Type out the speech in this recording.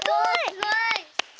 すごい！